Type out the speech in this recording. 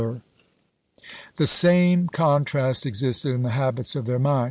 " The same contrast existed in the habits of their mind.